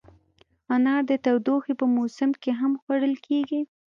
انار د تودوخې په موسم کې هم خوړل کېږي.